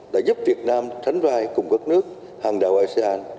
đã giúp việt nam sánh vai cùng các nước hàng đầu asean